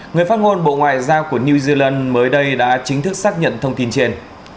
người phát ngôn bộ ngoại giao của new zealand mới đây đã chính thức xác nhận thông tin trên